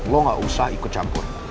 lo gak usah ikut campur